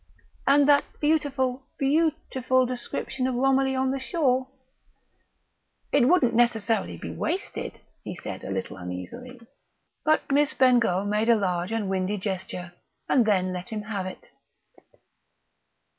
"And that beautiful, _beau_tiful description of Romilly on the shore?" "It wouldn't necessarily be wasted," he said a little uneasily. But Miss Bengough made a large and windy gesture, and then let him have it.